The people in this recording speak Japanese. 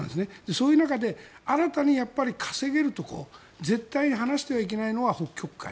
そういう中で新たに稼げるところ絶対に放してはいけないのは北極海。